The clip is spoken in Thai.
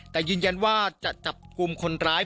แต่ยืนยันว่าจะจับกลุ่มคนร้าย